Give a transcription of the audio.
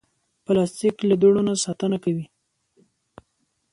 پلاستيک له دوړو نه ساتنه کوي.